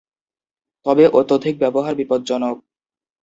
তবে অত্যধিক ব্যবহার বিপজ্জনক।